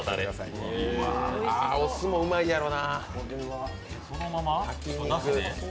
お酢もうまいやろな。